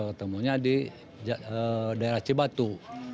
ketemunya di daerah cibatu